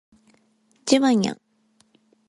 ジバニャン